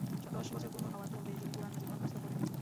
দশ বছর পূর্ণ হওয়ার পূর্বেই তিনি কুরআন মজীদ কণ্ঠস্থ করে নিয়েছিলেন।